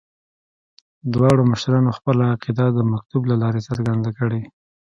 دواړو مشرانو خپله عقیده د مکتوب له لارې څرګنده کړې.